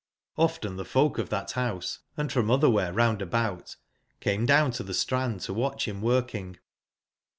Often tbe folk of that house, and from otherwhere round about, came down to the strand to watch him working.